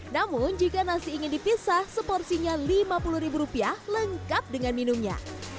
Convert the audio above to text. namun jika nasi ingin dipisah seporsinya rp lima puluh lengkap dengan minumnya